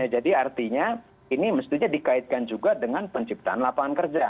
jadi artinya ini mestinya dikaitkan juga dengan penciptaan lapangan kerja